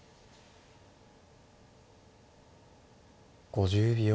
５０秒。